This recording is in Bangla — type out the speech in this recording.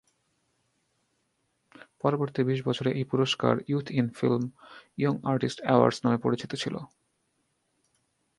পরবর্তী বিশ বছরে এই পুরস্কার youth in film young artist awards নামে পরিচিত ছিল।